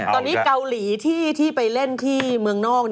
ตอนนี้เกาหลีที่ไปเล่นที่เมืองนอก